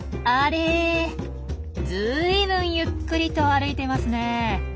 ずいぶんゆっくりと歩いてますね。